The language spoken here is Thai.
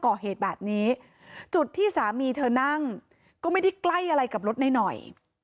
ก่อเหตุแบบนี้จุดที่สามีเธอนั่งก็ไม่ได้ใกล้อะไรกับรถนายหน่อย